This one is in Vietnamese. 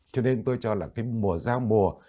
cho nên tôi cho là cái mùa giao mùa